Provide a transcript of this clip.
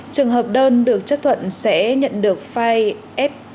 trường hợp đơn được chấp thuận sẽ nhận được file ép